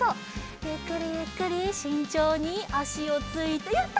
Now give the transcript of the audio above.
ゆっくりゆっくりしんちょうにあしをついてやった！